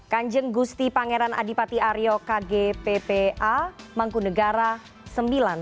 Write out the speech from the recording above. kanjeng gusti pangeran adipati aryo kg ppa mangkunegara ix